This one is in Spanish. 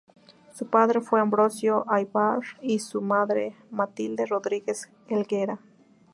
Su padre fue Ambrosio Aybar y su madre Matilde Rodríguez Helguera.